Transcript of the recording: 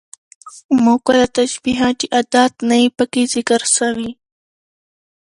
مؤکده تشبيه، چي ادات نه يي پکښي ذکر سوي.